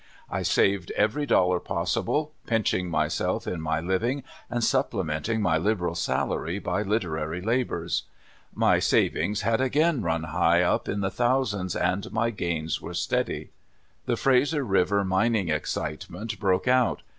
I saved every dollar possible, pinching myself in my living and supplementing my liberal salary by literary labors. My savings had again run high up in the thousands, and my gains were steady. The Frazer River mining excitement broke out.